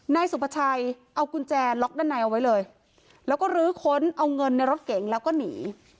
นายสุภาชัยเอากุญแจล็อกด้านในเอาไว้เลยแล้วก็ลื้อค้นเอาเงินในรถเก๋งแล้วก็หนี